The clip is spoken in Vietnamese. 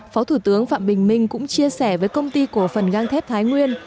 phó thủ tướng phạm bình minh cũng chia sẻ với công ty cổ phần gang thép thái nguyên